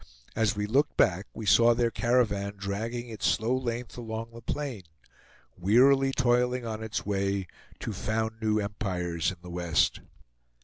As we looked back we saw their caravan dragging its slow length along the plain; wearily toiling on its way, to found new empires in the West.